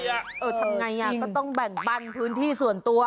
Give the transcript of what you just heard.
ทำไงก็ต้องแบ่งปันพื้นที่ส่วนตัว